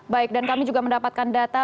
baik dan kami juga mendapatkan data